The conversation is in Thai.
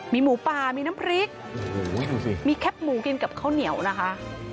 มีหมูป่ามีน้ำพริกโอ้โหดูสิมีแคปหมูกินกับข้าวเหนียวนะคะ